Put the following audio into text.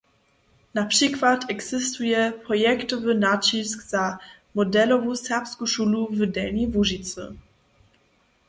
Na přikład eksistuje projektowy naćisk za modelowu serbsku šulu w Delnjej Łužicy.